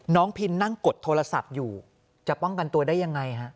พินนั่งกดโทรศัพท์อยู่จะป้องกันตัวได้ยังไงฮะ